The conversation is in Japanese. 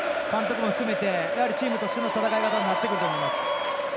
監督も含めてチームとしての戦い方になってくると思います。